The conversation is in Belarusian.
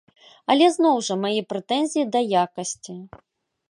Але зноў жа, мае прэтэнзіі да якасці.